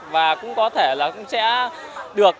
và cũng có thể là cũng sẽ được